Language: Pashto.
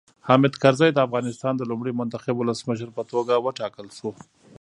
حامد کرزی د افغانستان د لومړي منتخب ولسمشر په توګه وټاکل شو.